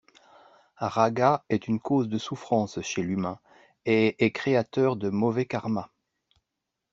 Rāga est une cause de souffrance chez l'humain et est créateur de mauvais karma.